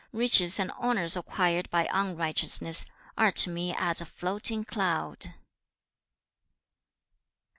Riches and honours acquired by unrighteousness, are to me as a floating cloud.'